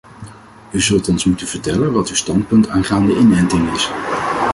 U zult ons moeten vertellen wat uw standpunt aangaande inenting is.